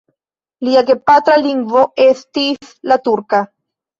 Lia gepatra lingvo estis la turka.